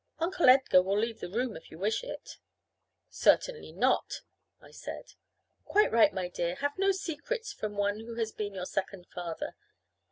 Uncle Edgar will leave the room, if you wish it." "Certainly not," I said. "Quite right, my dear; have no secrets from one who has been your second father.